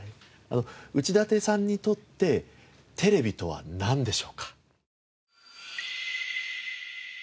内館さんにとってテレビとはなんでしょうか？